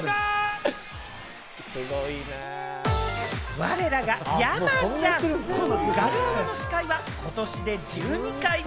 我らが山ちゃん、ガルアワの司会は今年で１２回目。